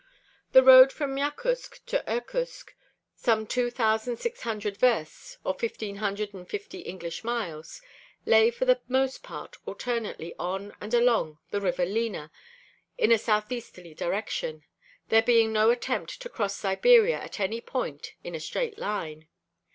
The road from Yakutsk to Irkutsk, some two thousand six hundred versts, or fifteen hundred and fifty English miles, lay for the most part alternately on and along the river Lena in a southeasterly direction; there being no attempt to cross Siberia at any point in a straight line.